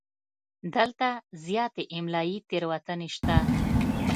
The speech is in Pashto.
دلته زیاتې املایي تېروتنې شته.